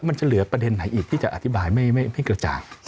มันจะเหลือประเด็นไหนอีกที่จะอธิบายไม่กระจ่าง